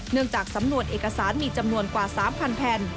จากสำนวนเอกสารมีจำนวนกว่า๓๐๐แผ่น